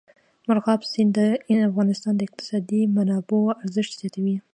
مورغاب سیند د افغانستان د اقتصادي منابعو ارزښت زیاتوي.